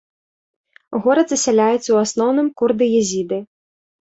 Горад засяляюць ў асноўным курды-езіды.